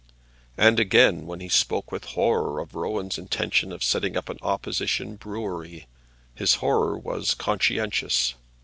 And again, when he spoke with horror of Rowan's intention of setting up an opposition brewery, his horror was conscientious.